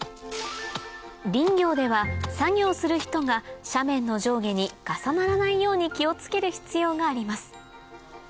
林業では作業する人が斜面の上下に重ならないように気を付ける必要があります